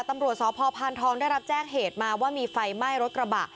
ตำรวจสพพานทองได้รับแจ้งเหตุมาว่ามีไฟไหม้รถกระบะ